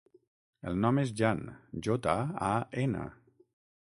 El nom és Jan: jota, a, ena.